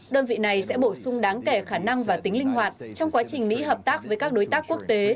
đơn vị này sẽ bổ sung đáng kể khả năng và tính linh hoạt trong quá trình mỹ hợp tác với các đối tác quốc tế